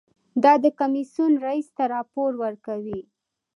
دا د کمیسیون رییس ته راپور ورکوي.